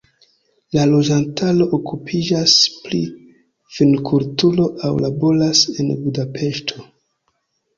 La loĝantaro okupiĝas pri vinkulturo aŭ laboras en Budapeŝto.